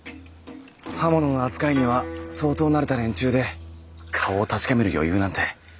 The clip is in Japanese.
刃物の扱いには相当慣れた連中で顔を確かめる余裕なんて。